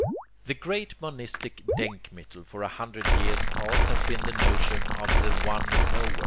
The GREAT monistic DENKMITTEL for a hundred years past has been the notion of THE ONE KNOWER.